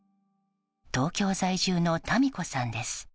東京在住のタミ子さんです。